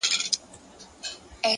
هره پرېکړه د راتلونکي لوری ټاکي!